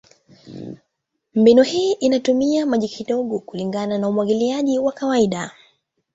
Mbinu hii inatumia maji kidogo kulingana na umwagiliaji wa kawaida.